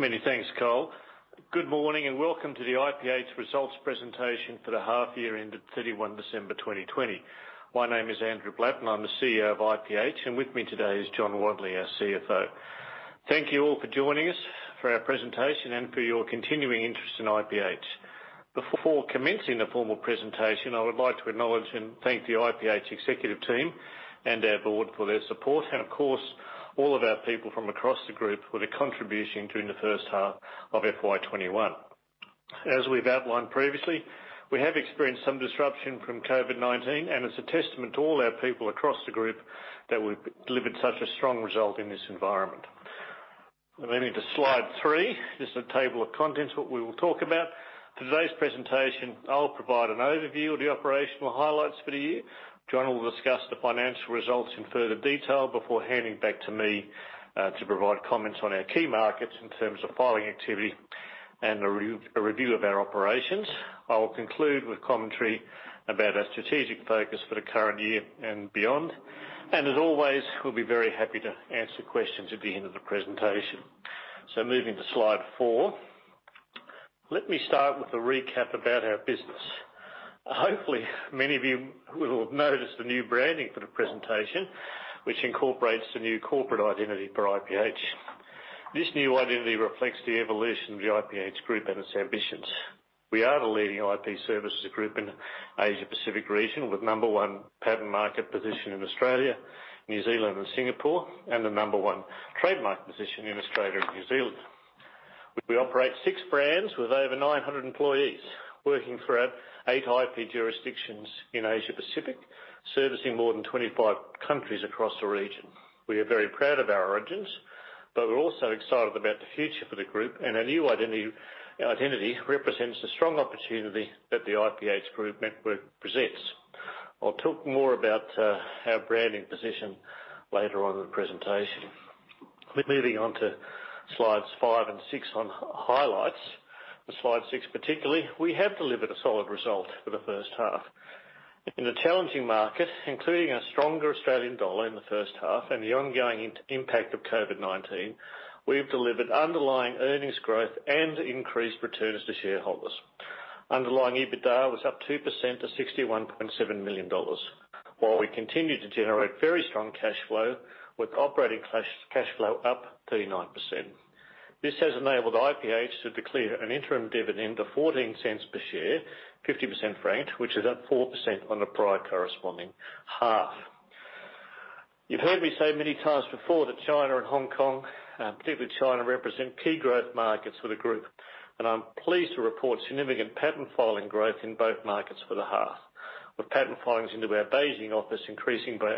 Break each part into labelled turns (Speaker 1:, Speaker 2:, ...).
Speaker 1: Many thanks, Carl. Good morning and welcome to the IPH results presentation for the half year ended December 31, 2020. My name is Andrew Blattman and I'm the CEO of IPH, and with me today is John Wadley, our CFO. Thank you all for joining us for our presentation and for your continuing interest in IPH. Before commencing the formal presentation, I would like to acknowledge and thank the IPH executive team and our board for their support, and of course, all of our people from across the group for their contribution during the first half of FY 2021. As we've outlined previously, we have experienced some disruption from COVID-19, and it's a testament to all our people across the group that we've delivered such a strong result in this environment. Moving to Slide three. This is a table of contents, what we will talk about. For today's presentation, I'll provide an overview of the operational highlights for the year. John will discuss the financial results in further detail before handing back to me to provide comments on our key markets in terms of filing activity and a review of our operations. I will conclude with commentary about our strategic focus for the current year and beyond. As always, we'll be very happy to answer questions at the end of the presentation. Moving to Slide four. Let me start with a recap about our business. Hopefully, many of you will have noticed the new branding for the presentation, which incorporates the new corporate identity for IPH. This new identity reflects the evolution of the IPH group and its ambitions. We are the leading IP services group in the Asia Pacific region, with the number one patent market position in Australia, New Zealand, and Singapore, and the number one trademark position in Australia and New Zealand. We operate six brands with over 900 employees, working throughout eight IP jurisdictions in Asia Pacific, servicing more than 25 countries across the region. We are very proud of our origins, but we're also excited about the future for the group, and our new identity represents the strong opportunity that the IPH group network presents. I'll talk more about our branding position later on in the presentation. Moving on to Slides five and six on highlights. For Slide six particularly, we have delivered a solid result for the first half. In a challenging market, including a stronger Australian dollar in the first half and the ongoing impact of COVID-19, we've delivered underlying earnings growth and increased returns to shareholders. Underlying EBITDA was up 2% to 61.7 million dollars, while we continued to generate very strong cash flow, with operating cash flow up 39%. This has enabled IPH to declare an interim dividend of 0.14 per share, 50% franked, which is up 4% on the prior corresponding half. You've heard me say many times before that China and Hong Kong, particularly China, represent key growth markets for the group, and I'm pleased to report significant patent filing growth in both markets for the half. With patent filings into our Beijing office increasing by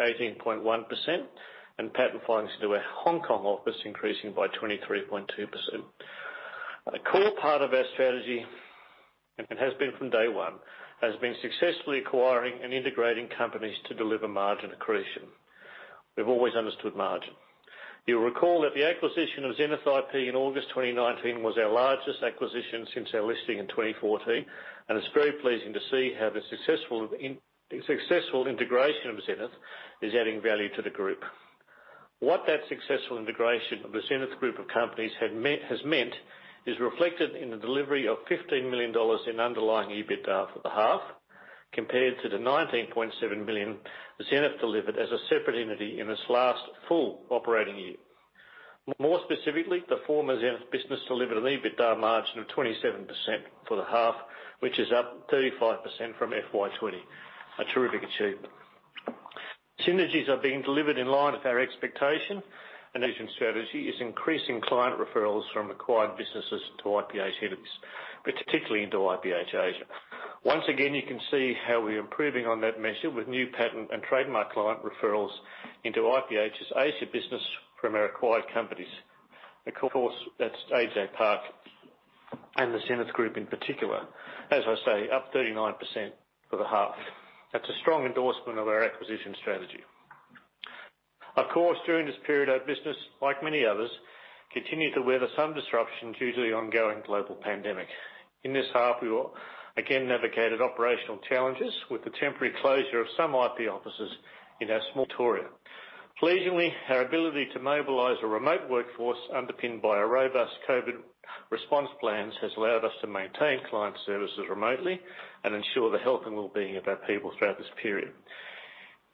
Speaker 1: 18.1% and patent filings into our Hong Kong office increasing by 23.2%. A core part of our strategy, and has been from day one, has been successfully acquiring and integrating companies to deliver margin accretion. We've always understood margin. You'll recall that the acquisition of Xenith IP in August 2019 was our largest acquisition since our listing in 2014, and it's very pleasing to see how the successful integration of Xenith is adding value to the group. What that successful integration of the Xenith group of companies has meant is reflected in the delivery of AUD 15 million in underlying EBITDA for the half, compared to the AUD 19.7 million that Xenith delivered as a separate entity in its last full operating year. More specifically, the former Xenith business delivered an EBITDA margin of 27% for the half, which is up 35% from FY 2020. A terrific achievement. Synergies are being delivered in line with our expectation and strategy is increasing client referrals from acquired businesses to IPH entities, but particularly into IPH Asia. Once again, you can see how we're improving on that measure with new patent and trademark client referrals into IPH Asia business from our acquired companies. Of course, that's AJ Park and the Xenith group in particular. As I say, up 39% for the half. That's a strong endorsement of our acquisition strategy. Of course, during this period, our business, like many others, continued to weather some disruption due to the ongoing global pandemic. In this half, we again navigated operational challenges with the temporary closure of some IP offices in our small territory. Pleasingly, our ability to mobilize a remote workforce underpinned by our robust COVID response plans has allowed us to maintain client services remotely and ensure the health and well-being of our people throughout this period.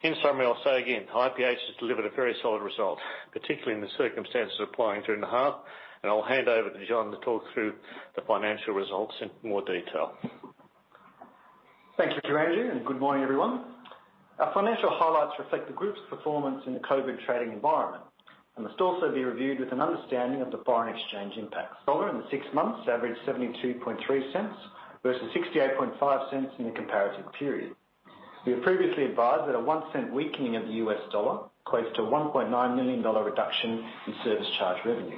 Speaker 1: In summary, I'll say again, IPH has delivered a very solid result, particularly in the circumstances applying during the half, and I'll hand over to John to talk through the financial results in more detail.
Speaker 2: Thank you, Andrew, and good morning, everyone. Our financial highlights reflect the group's performance in the COVID trading environment and must also be reviewed with an understanding of the foreign exchange impact. AUD in the six months averaged $0.723 versus $0.685 in the comparative period. We have previously advised that a $0.01 weakening of the US dollar equates to a $1.9 million reduction in service charge revenue.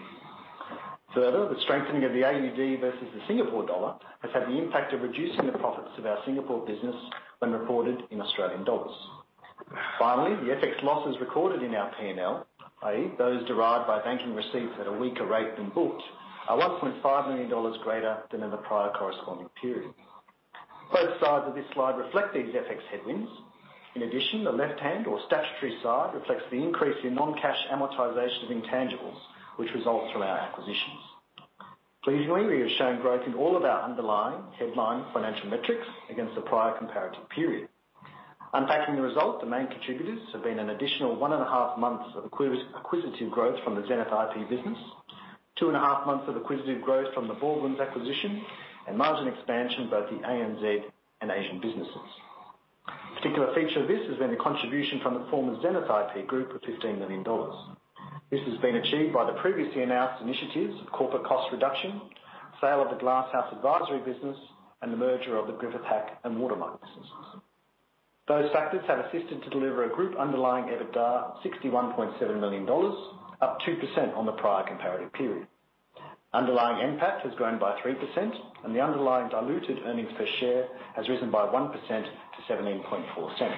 Speaker 2: The strengthening of the AUD versus the SGD has had the impact of reducing the profits of our Singapore business when reported in AUD. The FX losses recorded in our P&L, i.e., those derived by banking receipts at a weaker rate than booked, are 1.5 million dollars greater than in the prior corresponding period. Both sides of this slide reflect these FX headwinds. In addition, the left-hand or statutory side reflects the increase in non-cash amortization of intangibles, which results from our acquisitions. Pleasingly, we have shown growth in all of our underlying headline financial metrics against the prior comparative period. Unpacking the result, the main contributors have been an additional one and a half months of acquisitive growth from the Xenith IP business, two and a half months of acquisitive growth from the Baldwins acquisition, and margin expansion, both the ANZ and Asian businesses. Particular feature of this has been a contribution from the former Xenith IP group of 15 million dollars. This has been achieved by the previously announced initiatives of corporate cost reduction, sale of the Glasshouse Advisory business, and the merger of the Griffith Hack and Watermark businesses. Those factors have assisted to deliver a group underlying EBITDA of 61.7 million dollars, up 2% on the prior comparative period. Underlying NPAT has grown by 3%, and the underlying diluted earnings per share has risen by 1% to 0.174.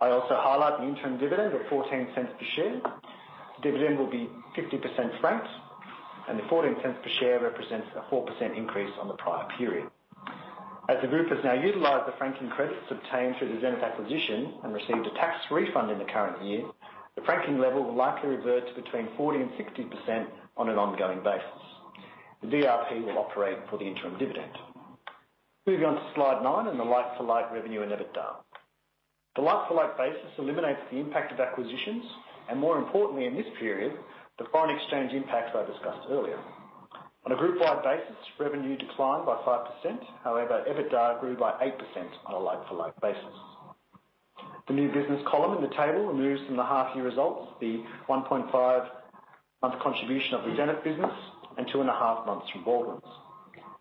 Speaker 2: I also highlight the interim dividend of 0.14 per share. The dividend will be 50% franked, and the 0.14 per share represents a 4% increase on the prior period. As the group has now utilized the franking credits obtained through the Xenith acquisition and received a tax refund in the current year, the franking level will likely revert to between 40% and 60% on an ongoing basis. The DRP will operate for the interim dividend. Moving on to slide nine and the like-for-like revenue and EBITDA. The like-for-like basis eliminates the impact of acquisitions and more importantly in this period, the foreign exchange impacts I discussed earlier. On a group-wide basis, revenue declined by 5%. However, EBITDA grew by 8% on a like-for-like basis. The new business column in the table removes from the half-year results the 1.5 months contribution of the Xenith business and 2.5 months from Baldwins.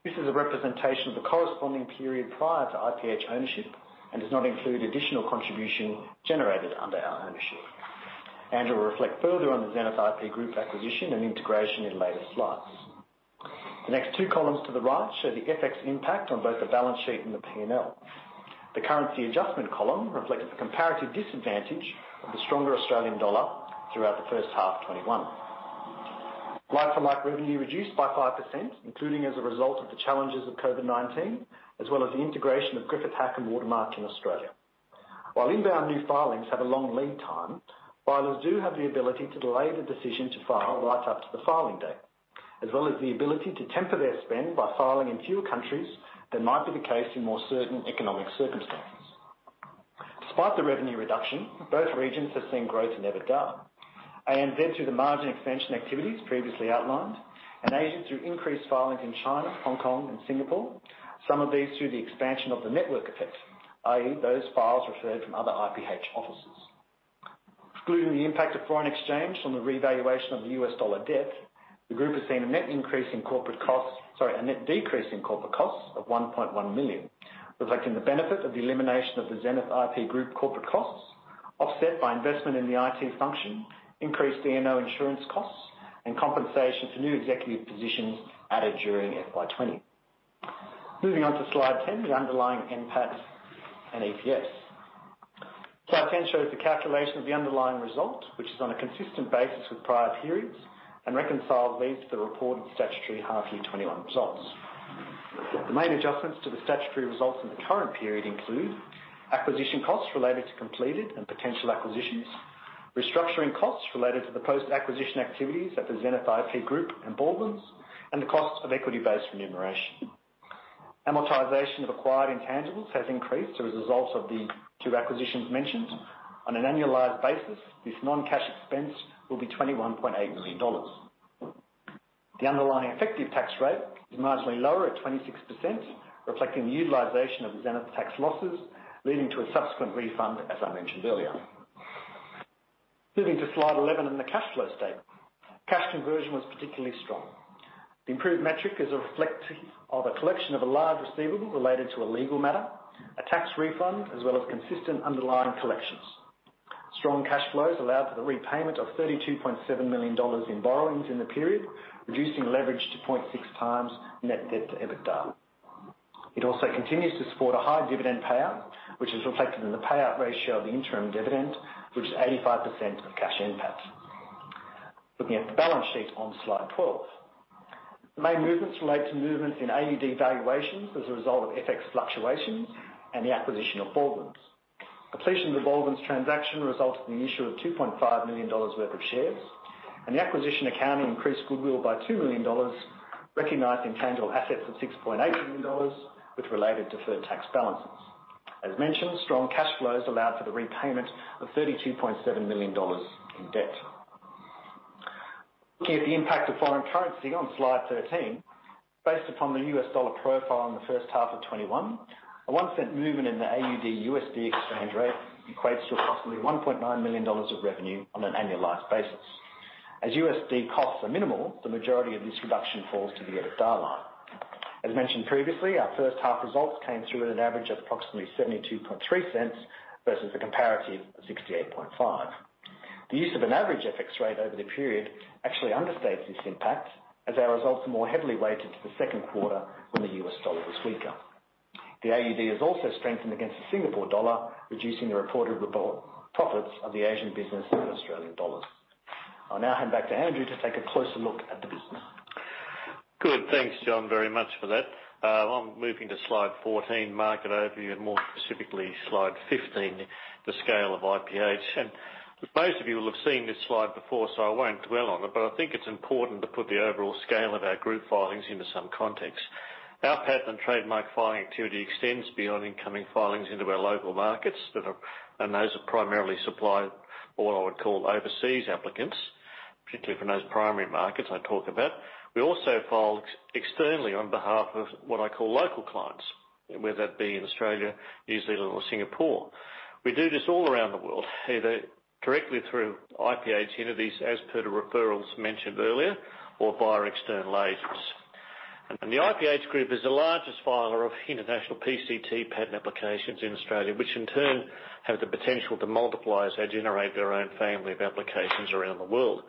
Speaker 2: This is a representation of the corresponding period prior to IPH ownership and does not include additional contribution generated under our ownership. Andrew will reflect further on the Xenith IP Group acquisition and integration in later slides. The next two columns to the right show the FX impact on both the balance sheet and the P&L. The currency adjustment column reflects the comparative disadvantage of the stronger Australian dollar throughout the first half 2021. Like-for-like revenue reduced by 5%, including as a result of the challenges of COVID-19, as well as the integration of Griffith Hack and Watermark in Australia. While inbound new filings have a long lead time, filers do have the ability to delay the decision to file right up to the filing date, as well as the ability to temper their spend by filing in fewer countries than might be the case in more certain economic circumstances. Despite the revenue reduction, both regions have seen growth in EBITDA. ANZ through the margin expansion activities previously outlined, and Asia through increased filings in China, Hong Kong and Singapore. Some of these through the expansion of the network effect, i.e., those files referred from other IPH offices. Excluding the impact of foreign exchange on the revaluation of the U.S. dollar debt, the group has seen a net increase in corporate costs, sorry, a net decrease in corporate costs of 1.1 million, reflecting the benefit of the elimination of the Xenith IP Group corporate costs offset by investment in the IT function, increased E&O insurance costs and compensation for new executive positions added during FY 2020. Moving on to slide 10, the underlying NPAT and EPS. Slide 10 shows the calculation of the underlying result, which is on a consistent basis with prior periods and reconciled these to the reported statutory half year 2021 results. The main adjustments to the statutory results in the current period include acquisition costs related to completed and potential acquisitions, restructuring costs related to the post-acquisition activities at the Xenith IP Group and Baldwins, and the cost of equity-based remuneration. Amortization of acquired intangibles has increased as a result of the two acquisitions mentioned. On an annualized basis, this non-cash expense will be 21.8 million dollars. The underlying effective tax rate is marginally lower at 26%, reflecting the utilization of the Xenith tax losses, leading to a subsequent refund, as I mentioned earlier. Moving to slide 11 and the cash flow statement. Cash conversion was particularly strong. The improved metric is a reflection of a collection of a large receivable related to a legal matter, a tax refund, as well as consistent underlying collections. Strong cash flows allowed for the repayment of AUD 32.7 million in borrowings in the period, reducing leverage to 0.6x net debt to EBITDA. It also continues to support a high dividend payout, which is reflected in the payout ratio of the interim dividend, which is 85% of cash NPAT. Looking at the balance sheet on slide 12. The main movements relate to movements in AUD valuations as a result of FX fluctuations and the acquisition of Baldwins. Completion of the Baldwins transaction resulted in the issue of 2.5 million dollars worth of shares, and the acquisition accounting increased goodwill by 2 million dollars, recognized intangible assets of 6.8 million dollars with related deferred tax balances. As mentioned, strong cash flows allowed for the repayment of 32.7 million dollars in debt. Looking at the impact of foreign currency on slide 13. Based upon the U.S. dollar profile in the first half of 2021, an 0.01 movement in the AUD/USD exchange rate equates to approximately 1.9 million dollars of revenue on an annualized basis. As USD costs are minimal, the majority of this reduction falls to the EBITDA line. As mentioned previously, our first half results came through at an average of approximately 0.723 versus the comparative of 0.685. The use of an average FX rate over the period actually understates this impact as our results are more heavily weighted to the second quarter when the U.S. dollar was weaker. The AUD has also strengthened against the Singapore dollar, reducing the reported profits of the Asian business in Australian dollars. I'll now hand back to Andrew to take a closer look at the business.
Speaker 1: Good. Thanks, John, very much for that. I'm moving to slide 14, market overview, and more specifically slide 15, the scale of IPH. Most of you will have seen this slide before, so I won't dwell on it, but I think it's important to put the overall scale of our group filings into some context. Our patent trademark filing activity extends beyond incoming filings into our local markets, those are primarily supplied, what I would call overseas applicants, particularly for those primary markets I talk about. We also file externally on behalf of what I call local clients, whether that be in Australia, New Zealand or Singapore. We do this all around the world, either directly through IPH entities as per the referrals mentioned earlier or via external agents. The IPH group is the largest filer of international PCT patent applications in Australia, which in turn have the potential to multiply as they generate their own family of applications around the world.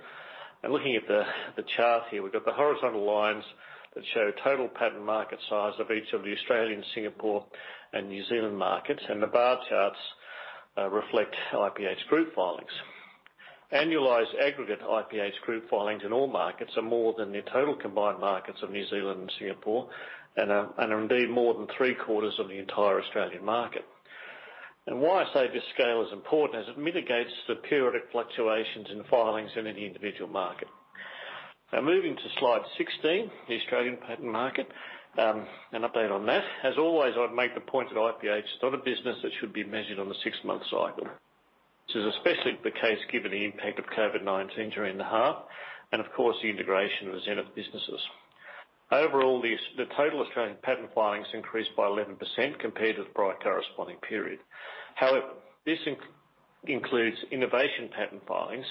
Speaker 1: Looking at the chart here, we've got the horizontal lines that show total patent market size of each of the Australian, Singapore and New Zealand markets, and the bar charts reflect IPH group filings. Annualized aggregate IPH group filings in all markets are more than the total combined markets of New Zealand and Singapore, and are indeed more than three-quarters of the entire Australian market. Why I say this scale is important is it mitigates the periodic fluctuations in filings in any individual market. Now, moving to slide 16, the Australian patent market, an update on that. As always, I'd make the point that IPH is not a business that should be measured on the six-month cycle. This is especially the case given the impact of COVID-19 during the half and of course, the integration of the Xenith businesses. Overall, the total Australian patent filings increased by 11% compared to the prior corresponding period. This includes innovation patent filings,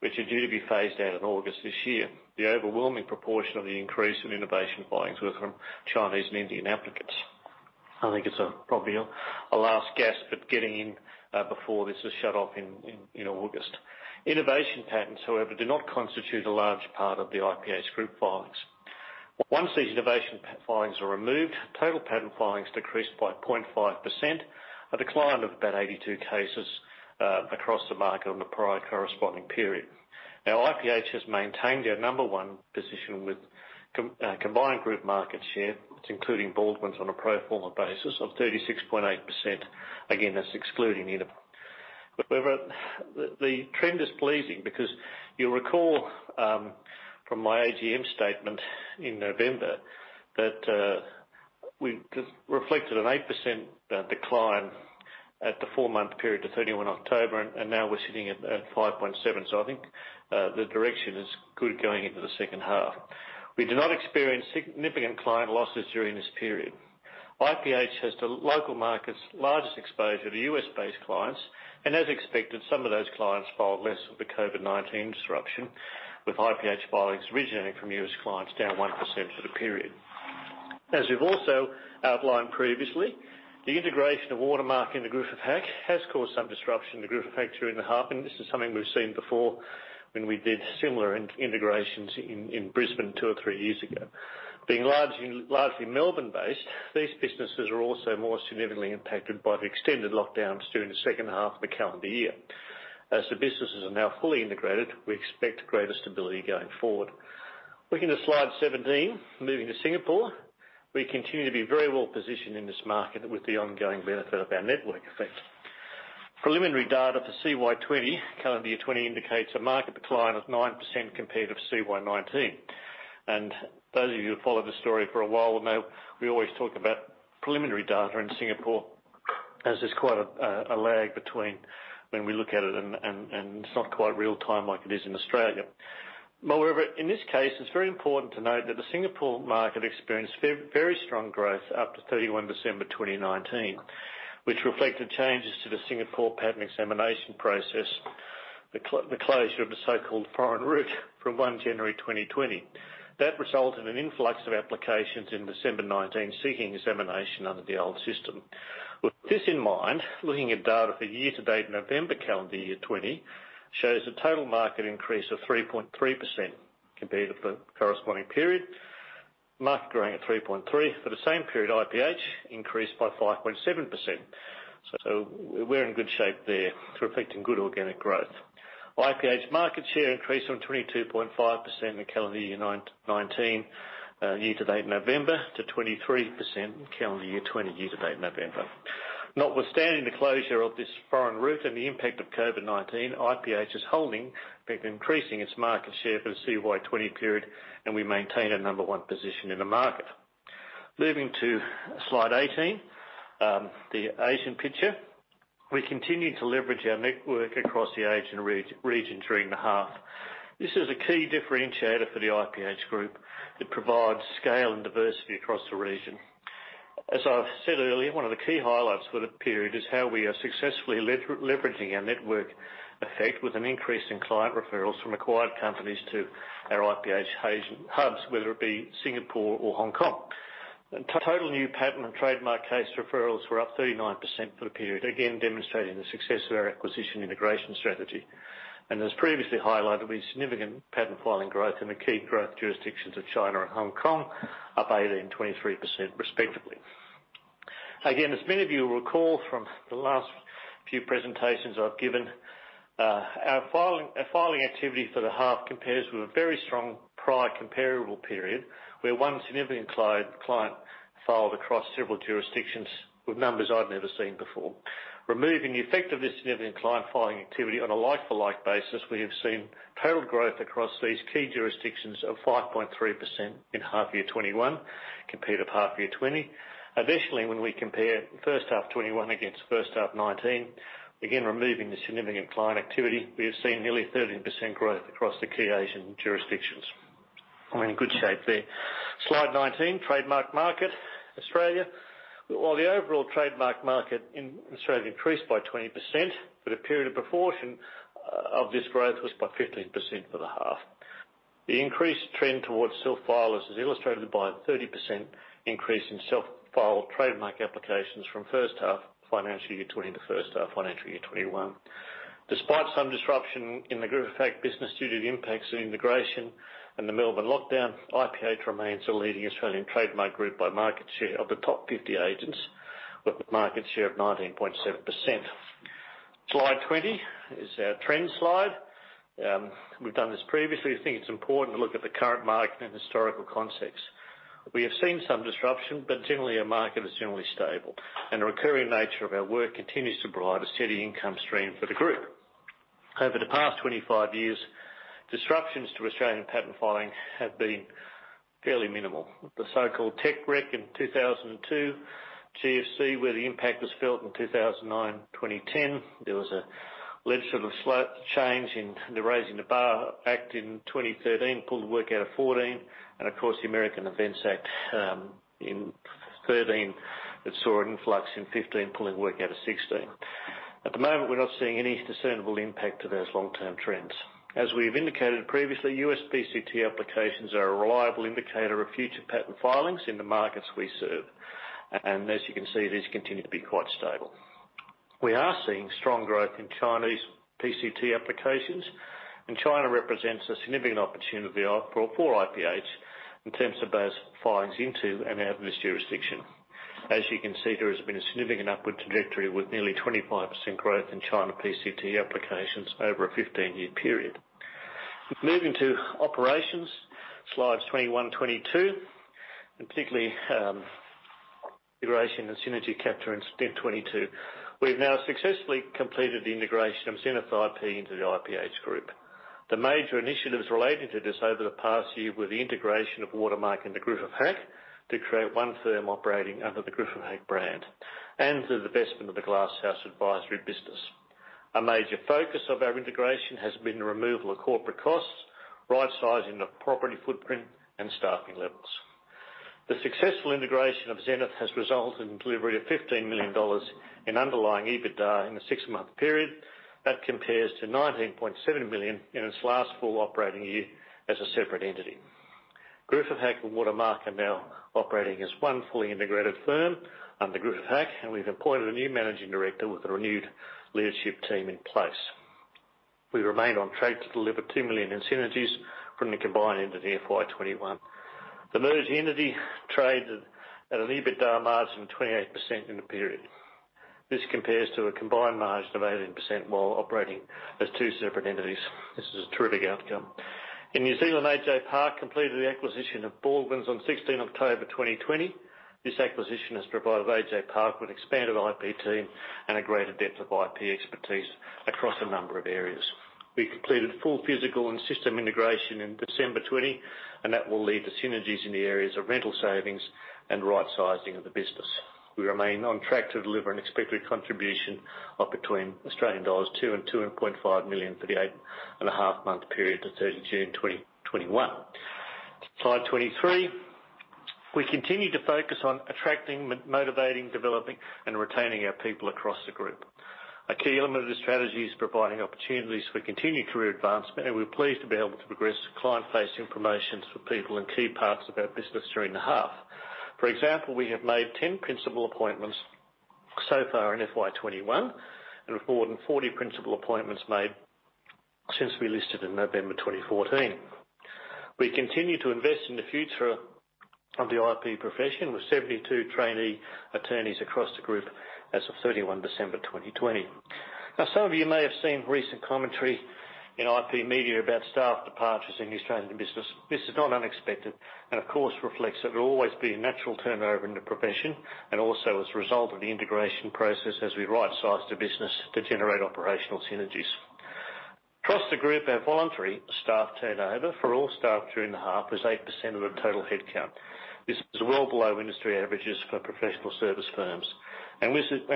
Speaker 1: which are due to be phased out in August this year. The overwhelming proportion of the increase in innovation filings were from Chinese and Indian applicants. I think it's probably a last gasp at getting in before this is shut off in August. Innovation patents, however, do not constitute a large part of the IPH group filings. Once these innovation filings are removed, total patent filings decreased by 0.5%, a decline of about 82 cases across the market on the prior corresponding period. IPH has maintained our number one position with combined group market share. It's including Baldwins on a pro forma basis of 36.8%. That's excluding Innov8. The trend is pleasing because you'll recall from my AGM statement in November that we reflected an 8% decline at the four-month period to October 31, and now we're sitting at 5.7. I think the direction is good going into the second half. We do not experience significant client losses during this period. IPH has the local market's largest exposure to U.S. based clients, and as expected, some of those clients filed less with the COVID-19 disruption, with IPH filings originating from U.S. clients down 1% for the period. As we've also outlined previously, the integration of Watermark in the Griffith Hack has caused some disruption to Griffith Hack during the half, and this is something we've seen before when we did similar integrations in Brisbane two or three years ago. Being largely Melbourne-based, these businesses are also more significantly impacted by the extended lockdowns during the second half of the calendar year. As the businesses are now fully integrated, we expect greater stability going forward. Looking to slide 17, moving to Singapore. We continue to be very well-positioned in this market with the ongoing benefit of our network effect. Preliminary data for CY 2020, calendar year 2020 indicates a market decline of 9% compared with CY 2019. Those of you who followed the story for a while know we always talk about preliminary data in Singapore as there's quite a lag between when we look at it, and it's not quite real time like it is in Australia. Moreover, in this case, it's very important to note that the Singapore market experienced very strong growth up to December 31, 2019, which reflected changes to the Singapore patent examination process, the closure of the so-called foreign route from January 1, 2020. That resulted in an influx of applications in December 2019, seeking examination under the old system. With this in mind, looking at data for year to date, November calendar year 2020 shows a total market increase of 3.3% compared to the corresponding period, market growing at 3.3%. For the same period, IPH increased by 5.7%. We're in good shape there, reflecting good organic growth. IPH market share increased from 22.5% in calendar year 2019, year to date November to 23% in calendar year 2020, year to date November. Notwithstanding the closure of this foreign route and the impact of COVID-19, IPH is holding, increasing its market share for the CY 2020 period, and we maintain a number one position in the market. Moving to slide 18, the Asian picture. We continued to leverage our network across the Asian region during the half. This is a key differentiator for the IPH group that provides scale and diversity across the region. As I've said earlier, one of the key highlights for the period is how we are successfully leveraging our network effect with an increase in client referrals from acquired companies to our IPH Asian hubs, whether it be Singapore or Hong Kong. Total new patent and trademark case referrals were up 39% for the period, again demonstrating the success of our acquisition integration strategy. As previously highlighted, with significant patent filing growth in the key growth jurisdictions of China and Hong Kong, up 18% and 23% respectively. As many of you will recall from the last few presentations I've given, our filing activity for the half compares with a very strong prior comparable period, where one significant client filed across several jurisdictions with numbers I'd never seen before. Removing the effect of this significant client filing activity on a like-for-like basis, we have seen total growth across these key jurisdictions of 5.3% in half year 2021 compared to half year 2020. When we compare first half 2021 against first half 2019, again, removing the significant client activity, we have seen nearly 30% growth across the key Asian jurisdictions. We're in good shape there. Slide 19, trademark market Australia. The overall trademark market in Australia increased by 20%, but a period of proportion of this growth was by 15% for the half. The increased trend towards self-filers is illustrated by a 30% increase in self-filed trademark applications from first half financial year 2020 to first half financial year 2021. Despite some disruption in the Griffith Hack business due to the impacts of the integration and the Melbourne lockdown, IPH remains the leading Australian trademark group by market share of the top 50 agents, with market share of 19.7%. Slide 20 is our trends slide. We've done this previously. I think it's important to look at the current market in historical context. We have seen some disruption, but generally, our market is generally stable. The recurring nature of our work continues to provide a steady income stream for the group. Over the past 25 years, disruptions to Australian patent filings have been fairly minimal. The so-called tech wreck in 2002, GFC, where the impact was felt in 2009 and 2010. There was a legislative slope change in the Raising the Bar Act in 2013, pulled the work out of 2014. Of course, the America Invents Act in 2013 that saw an influx in 2015, pulling work out of 2016. At the moment, we're not seeing any discernible impact to those long-term trends. As we've indicated previously, US PCT applications are a reliable indicator of future patent filings in the markets we serve. As you can see, these continue to be quite stable We are seeing strong growth in Chinese PCT applications, and China represents a significant opportunity for IPH in terms of those filings into and out of this jurisdiction. As you can see, there has been a significant upward trajectory with nearly 25% growth in China PCT applications over a 15-year period. Moving to operations, slides 21, 22, and particularly, integration and synergy capture in slide 22. We've now successfully completed the integration of Xenith IP into the IPH Group. The major initiatives relating to this over the past year were the integration of Watermark in Griffith Hack to create one firm operating under the Griffith Hack brand and through the divestment of the Glasshouse Advisory business. A major focus of our integration has been the removal of corporate costs, rightsizing the property footprint and staffing levels. The successful integration of Xenith has resulted in delivery of 15 million dollars in underlying EBITDA in the six-month period. That compares to 19.7 million in its last full operating year as a separate entity. Griffith Hack and Watermark are now operating as one fully integrated firm under Griffith Hack, and we've appointed a new managing director with a renewed leadership team in place. We remain on track to deliver 2 million in synergies from the combined entity FY 2021. The merged entity traded at an EBITDA margin of 28% in the period. This compares to a combined margin of 18% while operating as two separate entities. This is a terrific outcome. In New Zealand, AJ Park completed the acquisition of Baldwins on October 16, 2020. This acquisition has provided AJ Park with expanded IP team and a greater depth of IP expertise across a number of areas. We completed full physical and system integration in December 2020, that will lead to synergies in the areas of rental savings and rightsizing of the business. We remain on track to deliver an expected contribution of between Australian dollars 2 million and 2.5 million for the eight and a half month period to June 30, 2021. Slide 23. We continue to focus on attracting, motivating, developing, and retaining our people across the group. A key element of this strategy is providing opportunities for continued career advancement, we're pleased to be able to progress client-facing promotions for people in key parts of our business during the half. For example, we have made 10 principal appointments so far in FY 2021 and more than 40 principal appointments made since we listed in November 2014. We continue to invest in the future of the IP profession with 72 trainee attorneys across the group as of December 31, 2020. Now, some of you may have seen recent commentary in IP media about staff departures in the Australian business. This is not unexpected, and of course, reflects that there will always be a natural turnover in the profession, and also as a result of the integration process as we rightsize the business to generate operational synergies. Across the group, our voluntary staff turnover for all staff during the half was 8% of the total headcount.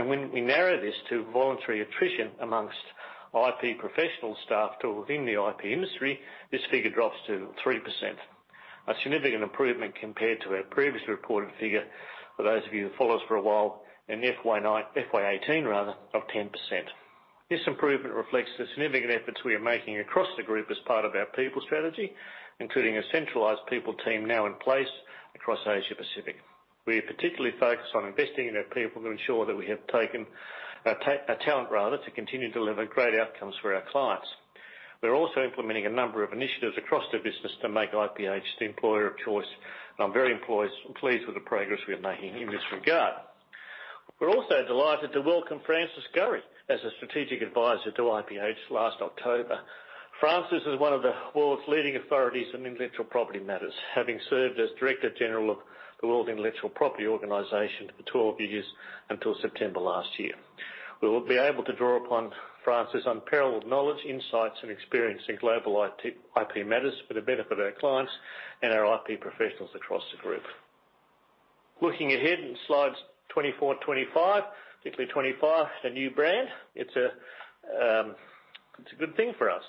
Speaker 1: When we narrow this to voluntary attrition amongst IP professional staff to within the IP industry, this figure drops to 3%. A significant improvement compared to our previously reported figure for those of you who follow us for a while in FY 2018 rather, of 10%. This improvement reflects the significant efforts we are making across the group as part of our people strategy, including a centralized people team now in place across Asia Pacific. We are particularly focused on investing in our people to ensure that we have talent rather, to continue to deliver great outcomes for our clients. We're also implementing a number of initiatives across the business to make IPH the employer of choice. I'm very pleased with the progress we are making in this regard. We're also delighted to welcome Francis Gurry as a strategic advisor to IPH last October. Francis is one of the world's leading authorities on intellectual property matters, having served as director general of the World Intellectual Property Organization for 12 years until September last year. We will be able to draw upon Francis' unparalleled knowledge, insights, and experience in global IP matters for the benefit of our clients and our IP professionals across the group. Looking ahead in slides 24 and 25, particularly 25, the new brand. It's a good thing for us.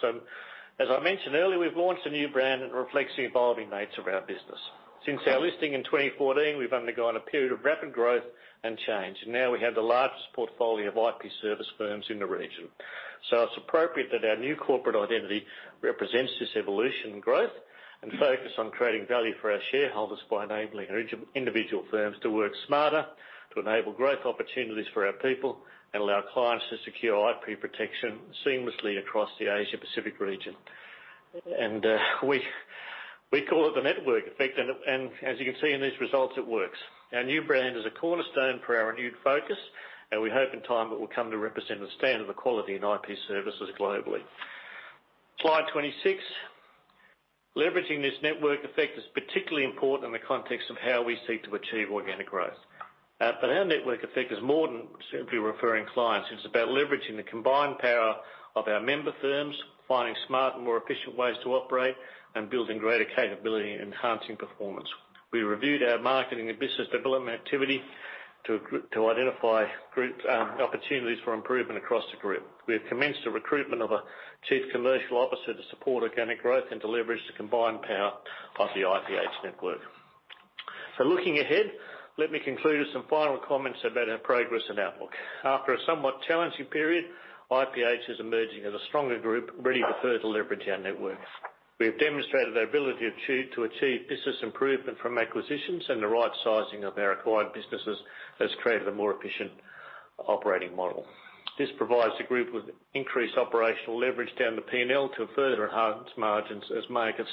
Speaker 1: As I mentioned earlier, we've launched a new brand that reflects the evolving nature of our business. Since our listing in 2014, we've undergone a period of rapid growth and change, and now we have the largest portfolio of IP service firms in the region. It's appropriate that our new corporate identity represents this evolution growth and focus on creating value for our shareholders by enabling our individual firms to work smarter, to enable growth opportunities for our people, and allow clients to secure IP protection seamlessly across the Asia Pacific region. We call it the network effect, and as you can see in these results, it works. Our new brand is a cornerstone for our renewed focus, and we hope in time it will come to represent the standard of quality in IP services globally. Slide 26. Leveraging this network effect is particularly important in the context of how we seek to achieve organic growth. Our network effect is more than simply referring clients. It's about leveraging the combined power of our member firms, finding smarter, more efficient ways to operate, and building greater capability and enhancing performance. We reviewed our marketing and business development activity to identify group opportunities for improvement across the group. We have commenced the recruitment of a chief commercial officer to support organic growth and to leverage the combined power of the IPH network. Looking ahead, let me conclude with some final comments about our progress and outlook. After a somewhat challenging period, IPH is emerging as a stronger group, ready to further leverage our network. We have demonstrated our ability to achieve business improvement from acquisitions and the right sizing of our acquired businesses has created a more efficient operating model. This provides the group with increased operational leverage down the P&L to further enhance margins as markets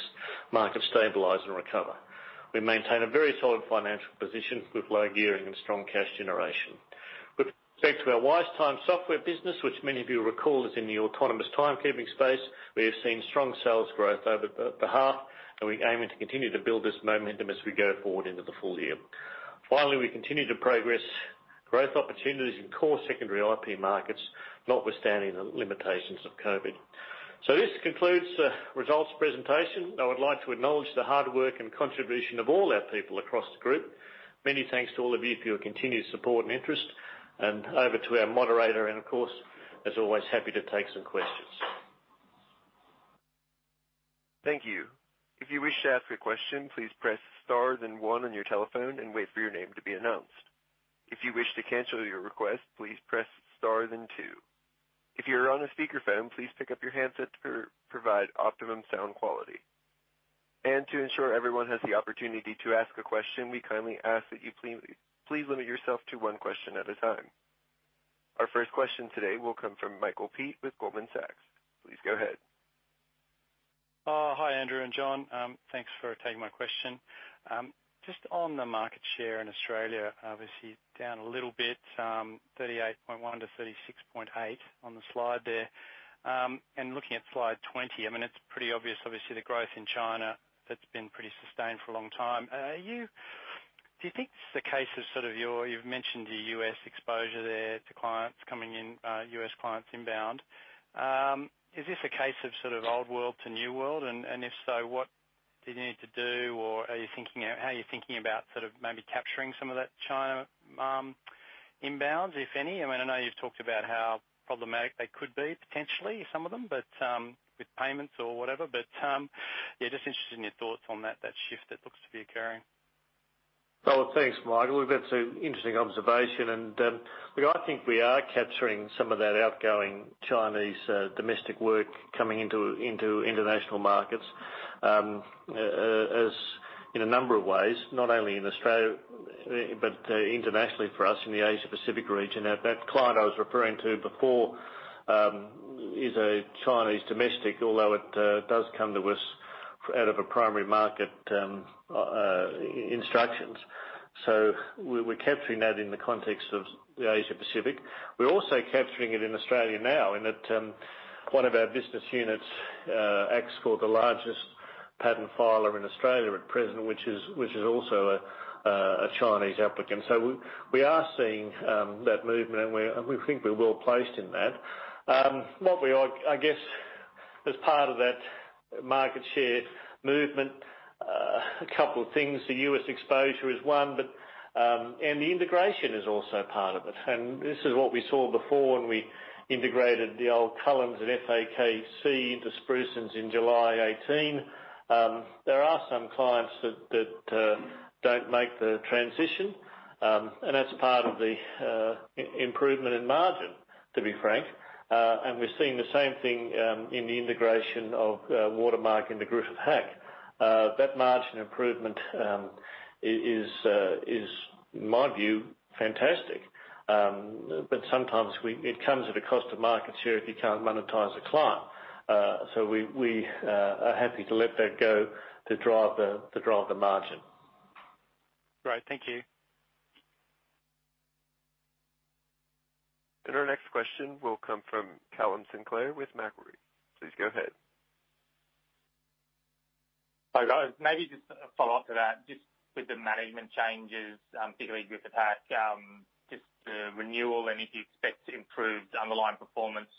Speaker 1: stabilize and recover. We maintain a very solid financial position with low gearing and strong cash generation. With respect to our WiseTime software business, which many of you recall is in the autonomous timekeeping space, we have seen strong sales growth over the half. We're aiming to continue to build this momentum as we go forward into the full year. We continue to progress growth opportunities in core secondary IP markets, notwithstanding the limitations of COVID. This concludes the results presentation. I would like to acknowledge the hard work and contribution of all our people across the group. Many thanks to all of you for your continued support and interest. Over to our moderator. Of course, as always, happy to take some questions.
Speaker 3: Thank you. If you wish to ask a question, please press star then one on your telephone and wait for your name to be announced. If you wish to cancel your request, please press star then two. If you are on a speakerphone, please pick up your handset to provide optimum sound quality. And to ensure everyone has the opportunity to ask a question, we kindly ask that you please limit yourself to one question at a time. Our first question today will come from Michael Peat with Goldman Sachs. Please go ahead.
Speaker 4: Hi, Andrew and John. Thanks for taking my question. Just on the market share in Australia, obviously down a little bit, 38.1%-36.8% on the slide there. Looking at slide 20, it's pretty obvious, obviously, the growth in China that's been pretty sustained for a long time. Do you think this is a case of You've mentioned the U.S. exposure there to clients coming in, U.S. clients inbound. Is this a case of sort of old world to new world? If so, what do you need to do, or how are you thinking about maybe capturing some of that China inbounds, if any? I know you've talked about how problematic they could be, potentially, some of them, with payments or whatever. Yeah, just interested in your thoughts on that shift that looks to be occurring.
Speaker 1: Thanks, Michael. That's an interesting observation, I think we are capturing some of that outgoing Chinese domestic work coming into international markets in a number of ways, not only in Australia, but internationally for us in the Asia Pacific region. That client I was referring to before is a Chinese domestic, although it does come to us out of a primary market instructions. We're capturing that in the context of the Asia Pacific. We're also capturing it in Australia now in that one of our business units acts for the largest patent filer in Australia at present, which is also a Chinese applicant. We are seeing that movement and we think we're well-placed in that. What we are, I guess, as part of that market share movement, a couple of things. The U.S. exposure is one, the integration is also part of it. This is what we saw before when we integrated the old Cullens and FAKC into Spruson in July 2018. There are some clients that don't make the transition, and that's part of the improvement in margin, to be frank. We're seeing the same thing in the integration of Watermark into Griffith Hack. That margin improvement is, in my view, fantastic. Sometimes it comes at a cost to market share if you can't monetize a client. We are happy to let that go to drive the margin.
Speaker 4: Great. Thank you.
Speaker 3: Our next question will come from Callum Sinclair with Macquarie. Please go ahead.
Speaker 5: Hi, guys. Maybe just a follow-up to that, just with the management changes, particularly Griffith Hack, just the renewal and if you expect improved underlying performance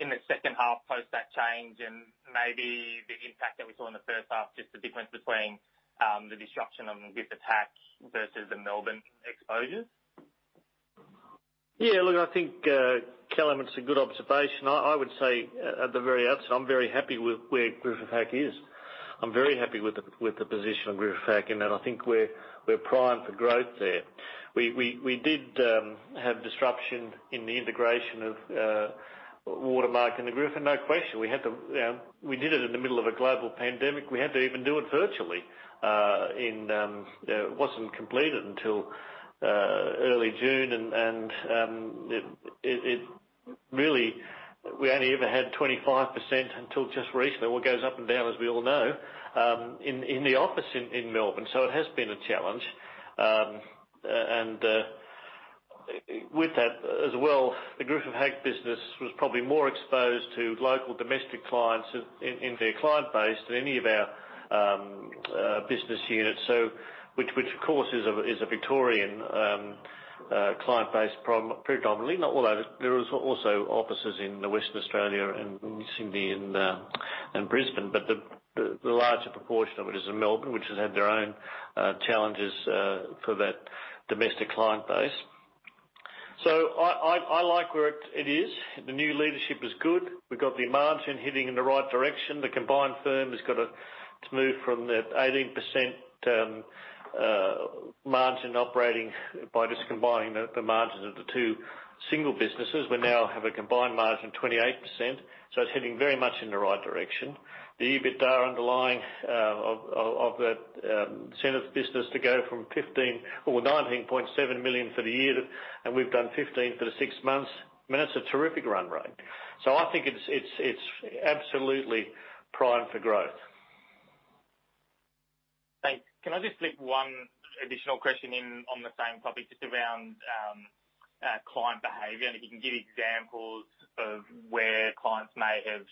Speaker 5: in the second half post that change and maybe the impact that we saw in the first half, just the difference between the disruption on Griffith Hack versus the Melbourne exposures?
Speaker 1: Look, I think, Callum, it's a good observation. I would say at the very outset, I'm very happy with where Griffith Hack is. I'm very happy with the position of Griffith Hack, and I think we're primed for growth there. We did have disruption in the integration of Watermark and the Griffith, no question. We did it in the middle of a global pandemic. We had to even do it virtually. It wasn't completed until early June, and really, we only ever had 25% until just recently. It all goes up and down, as we all know, in the office in Melbourne. It has been a challenge. With that as well, the Griffith Hack business was probably more exposed to local domestic clients in their client base than any of our business units. Which of course is a Victorian client base predominantly. Not all, there was also offices in Western Australia and Sydney and Brisbane, but the larger proportion of it is in Melbourne, which has had their own challenges for that domestic client base. I like where it is. The new leadership is good. We've got the margin heading in the right direction. The combined firm has got to move from that 18% margin operating by just combining the margins of the two single businesses. We now have a combined margin of 28%, so it's heading very much in the right direction. The EBITDA underlying of that center of business to go from 15 million or 19.7 million for the year, and we've done 15 million for the six months. I mean, that's a terrific run rate. I think it's absolutely primed for growth.
Speaker 5: Thanks. Can I just slip one additional question in on the same topic, just around client behavior, and if you can give examples of where clients may have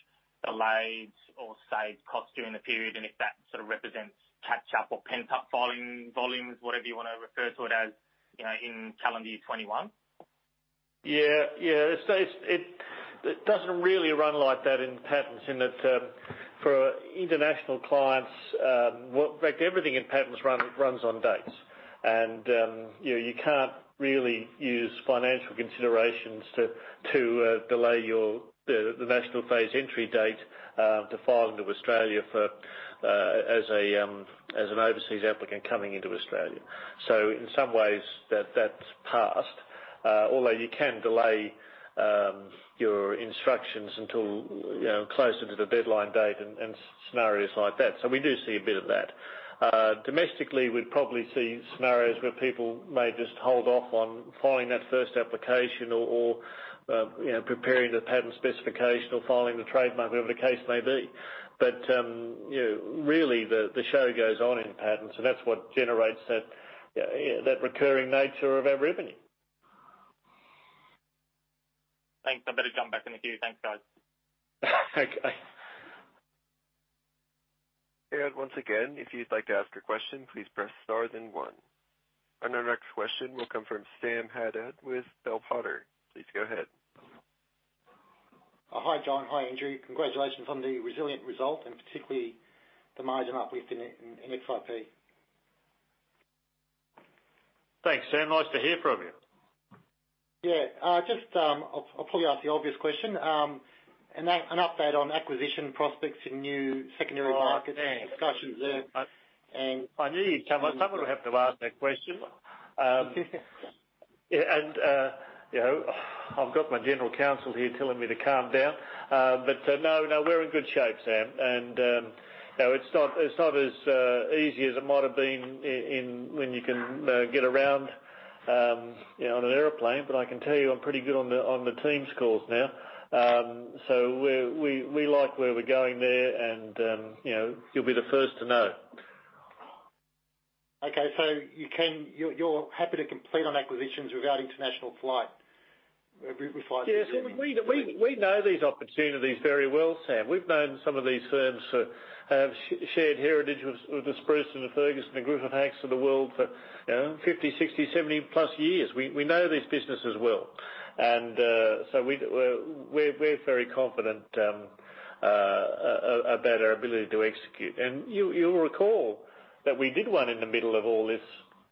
Speaker 5: delayed or saved costs during the period, and if that sort of represents catch-up or pent-up volumes, whatever you want to refer to it as in calendar year 2021?
Speaker 1: Yeah. It doesn't really run like that in patents in that for international clients, well, in fact, everything in patents runs on dates. You can't really use financial considerations to delay the national phase entry date to file into Australia as an overseas applicant coming into Australia. In some ways that's passed. Although you can delay your instructions until closer to the deadline date and scenarios like that. We do see a bit of that. Domestically, we'd probably see scenarios where people may just hold off on filing that first application or preparing the patent specification or filing the trademark, whatever the case may be. Really the show goes on in patents, and that's what generates that recurring nature of our revenue.
Speaker 5: Thanks. I better jump back in the queue. Thanks, guys.
Speaker 1: Okay.
Speaker 3: Once again, if you'd like to ask a question, please press star then one. Our next question will come from Sam Haddad with Bell Potter. Please go ahead.
Speaker 6: Hi, John. Hi, Andrew. Congratulations on the resilient result and particularly the margin uplift in FIP.
Speaker 1: Thanks, Sam. Nice to hear from you.
Speaker 6: Yeah. I'll probably ask the obvious question. An update on acquisition prospects in new secondary markets and discussions there?
Speaker 1: I knew you'd come on. Someone would have to ask that question. I've got my general counsel here telling me to calm down. No, we're in good shape, Sam. It's not as easy as it might've been when you can get around on an airplane, but I can tell you I'm pretty good on the Teams calls now. We like where we're going there and you'll be the first to know.
Speaker 6: Okay. You're happy to complete on acquisitions without international flying?
Speaker 1: Yeah. We know these opportunities very well, Sam. We've known some of these firms who have shared heritage with the Spruson & Ferguson and Griffith Hack of the world for 50, 60, 70+ years. We know these businesses well. We're very confident about our ability to execute. You'll recall that we did one in the middle of all this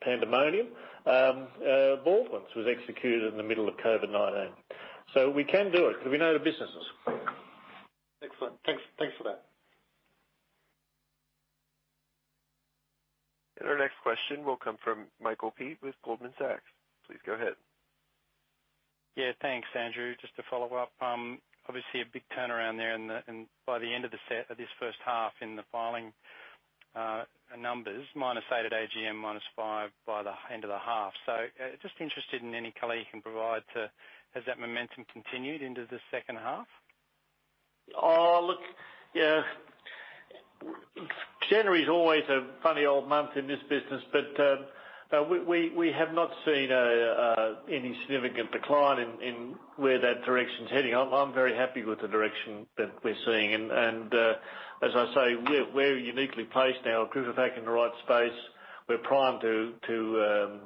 Speaker 1: pandemonium. Baldwins was executed in the middle of COVID-19. We can do it because we know the businesses.
Speaker 6: Excellent. Thanks for that.
Speaker 3: Our next question will come from Michael Peat with Goldman Sachs. Please go ahead.
Speaker 4: Yeah, thanks, Andrew. Just to follow up. Obviously a big turnaround there by the end of this first half in the filing numbers, -8% at AGM, -5% by the end of the half. Just interested in any color you can provide to, has that momentum continued into the second half?
Speaker 1: Look, yeah. January's always a funny old month in this business, but we have not seen any significant decline in where that direction's heading. I'm very happy with the direction that we're seeing. As I say, we're uniquely placed now, Griffith Hack in the right space. We're primed to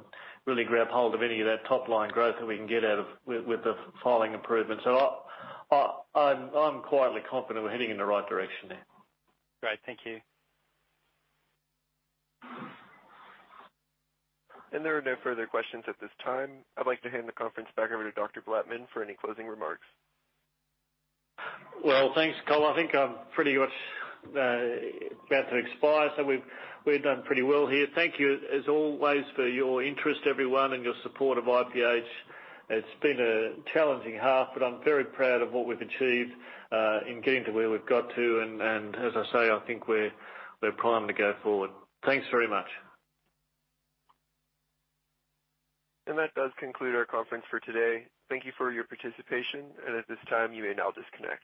Speaker 1: really grab hold of any of that top-line growth that we can get with the filing improvements. I'm quietly confident we're heading in the right direction now.
Speaker 4: Great. Thank you.
Speaker 3: There are no further questions at this time. I'd like to hand the conference back over to Andrew Blattman for any closing remarks.
Speaker 1: Well, thanks, Carl. I think I'm pretty much about to expire, so we've done pretty well here. Thank you as always for your interest, everyone, and your support of IPH. It's been a challenging half, but I'm very proud of what we've achieved in getting to where we've got to. As I say, I think we're primed to go forward. Thanks very much.
Speaker 3: That does conclude our conference for today. Thank you for your participation, and at this time you may now disconnect.